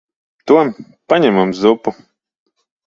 Tom. Paņem mums zupu.